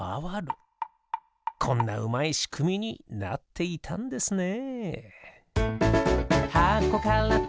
こんなうまいしくみになっていたんですね。